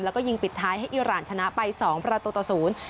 แล้วก็ยิงปิดท้ายให้อิร่านชนะไป๒ประตูต่อ๐